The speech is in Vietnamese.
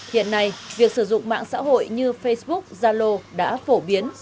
hiện nay việc sử dụng mạng xã hội như facebook zalo đã phổ biến